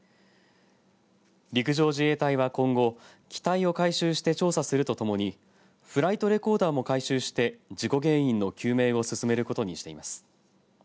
陸上自衛隊は今後機体を回収して調査するとともにフライトレコーダーも回収して事故原因の究明を進めることにしています。